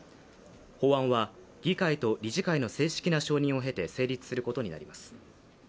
法案は議会と理事会の正式な承認を経て成立することになります。